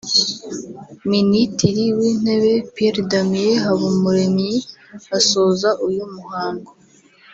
Minitiri w’Intebe Pierre Damien Habumuremyi asoza uyu muhango